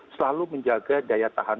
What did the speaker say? selalu menjaga daya tahan